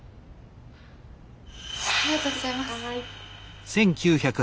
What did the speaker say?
ありがとうございます。